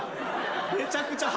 めちゃくちゃ歯！